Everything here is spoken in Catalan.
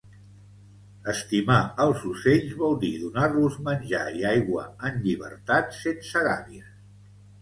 Estimar els ocells vol dir donar-los menjar i aigua en llibertat sense gàbies